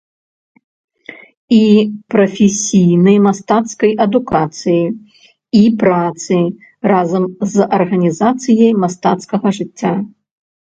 І прафесійнай мастацкай адукацыі і працы, разам з арганізацыяй мастацкага жыцця.